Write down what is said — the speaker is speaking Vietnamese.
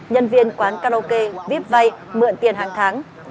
nhân viên quán karaoke vip vay mượn tiền hàng tháng